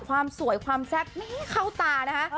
ความสวยความแซ่ตเข้าตานะคะ